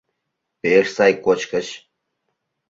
Пеш сай кочкыч.